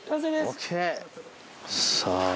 ＯＫ！